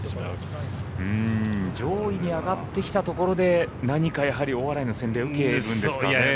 上位に上がってきたところで何かやはり大洗の洗礼、受けるんですかね。